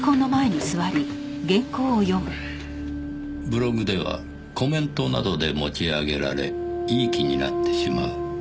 「ブログではコメントなどで持ち上げられいい気になってしまう」